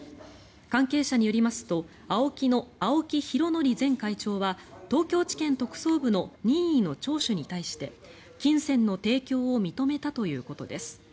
関係者によりますとＡＯＫＩの青木拡憲前会長は東京地検特捜部の任意の聴取に対して金銭の提供を認めたということです。